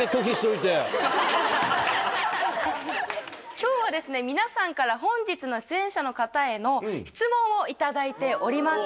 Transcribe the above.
今日は皆さんから本日の出演者の方への質問を頂いております。